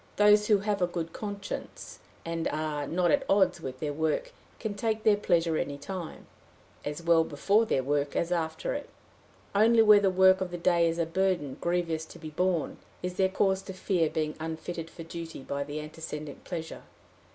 Those who have a good conscience, and are not at odds with their work, can take their pleasure any time as well before their work as after it. Only where the work of the day is a burden grievous to be borne, is there cause to fear being unfitted for duty by antecedent pleasure.